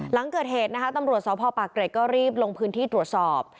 หลังเกิดเหตุนะคะตำรวจสพปากเกร็ดก็รีบลงพื้นที่ตรวจสอบ